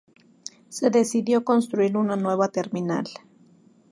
Se decidió construir una nueva terminal.